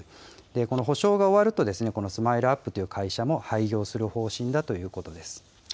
この補償が終わると、ＳＭＩＬＥーＵＰ．という会社も廃業する方針だということです。